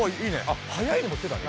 あっ速いのも手だね。